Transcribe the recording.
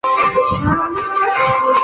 店员建议我们点味噌汤